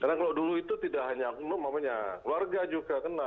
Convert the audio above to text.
karena kalau dulu itu tidak hanya maksudnya keluarga juga kena